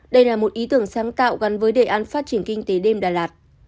đây là một ý tưởng sáng tạo gắn với đề án phát triển kinh tế đêm đà lạt